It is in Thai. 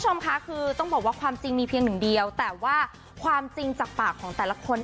คุณผู้ชมค่ะคือต้องบอกว่าความจริงมีเพียงหนึ่งเดียวแต่ว่าความจริงจากปากของแต่ละคน